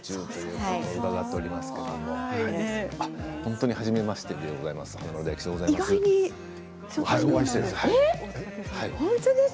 本当に初めましてでございます。